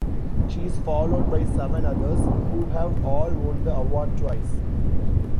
She is followed by seven others, who have all won the award twice.